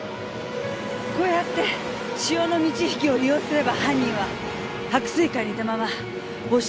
こうやって潮の満ち引きを利用すれば犯人は白水館にいたまま大重さんを殺害出来る。